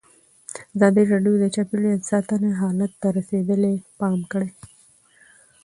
ازادي راډیو د چاپیریال ساتنه حالت ته رسېدلي پام کړی.